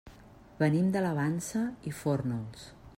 Venim de la Vansa i Fórnols.